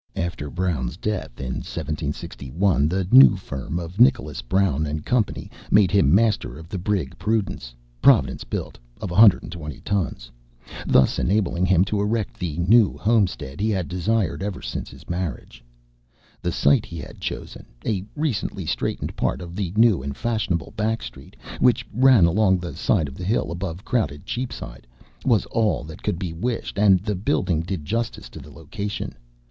After Brown's death in 1761, the new firm of Nicholas Brown & Company made him master of the brig Prudence, Providence built, of 120 tons, thus enabling him to erect the new homestead he had desired ever since his marriage. The site he had chosen a recently straightened part of the new and fashionable Back Street, which ran along the side of the hill above crowded Cheapside was all that could be wished, and the building did justice to the location.